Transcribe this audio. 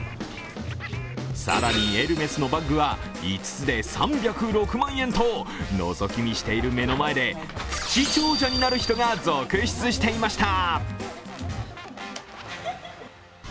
更に、エルメスのバッグは５つで３０６万円とのぞき見している目の前でプチ長者になる人が続出していました。